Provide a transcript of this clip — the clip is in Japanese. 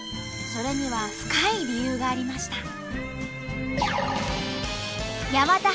それには深い理由がありました。